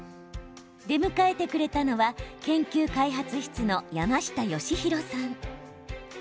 出迎えてくれたのは研究開発室の山下順弘さん。